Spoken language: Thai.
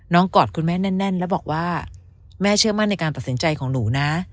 กอดคุณแม่แน่นแล้วบอกว่าแม่เชื่อมั่นในการตัดสินใจของหนูนะ